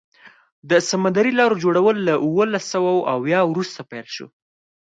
د سمندري لارو جوړول له اوولس سوه اویا وروسته پیل شو.